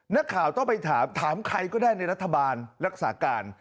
นักข่าวต้องไปถามถามใครก็ได้ในรัฐบาลรักษาการ